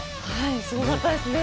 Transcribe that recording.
すごかったですね。